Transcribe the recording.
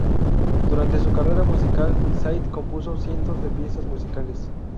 Durante su carrera musical Said compuso cientos de piezas musicales.